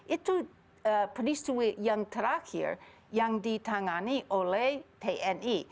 itu peristiwa yang terakhir yang ditangani oleh tni